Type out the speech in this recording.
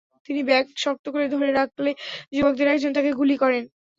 তিনি ব্যাগ শক্ত করে ধরে রাখলে যুবকদের একজন তাঁকে গুলি করেন।